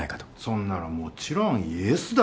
そんなのもちろんイエスだろ！